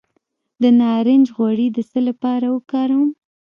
د نارنج غوړي د څه لپاره وکاروم؟